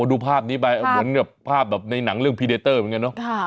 ดูภาพนี้ไปเหมือนกับภาพแบบในหนังเรื่องพีเดเตอร์เหมือนกันเนอะ